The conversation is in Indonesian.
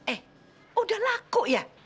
eh udah laku ya